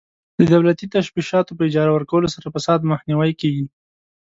د دولتي تشبثاتو په اجاره ورکولو سره فساد مخنیوی کیږي.